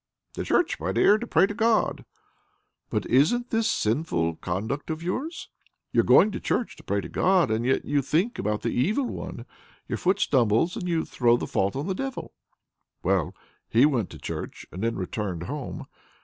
"To church, my dear, to pray to God." "But isn't this sinful conduct of yours? You're going to church, to pray to God, and yet you think about the Evil One; your foot stumbles and you throw the fault on the Devil!" Well, he went to church and then returned home.